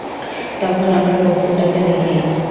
তখন আমরা বস্তুটাকে দেখি।